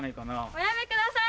おやめください。